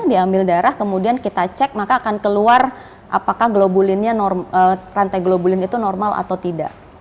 diambil darah kemudian kita cek maka akan keluar apakah rantai globulin itu normal atau tidak